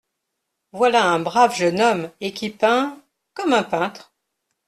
Voilà un brave jeune homme, et qui peint… comme un peintre !